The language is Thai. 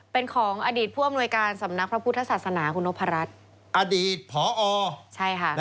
เป็นของอดีตผู้อำนวยกาลสำนักพระพุทธศาสนาคุณพระรัช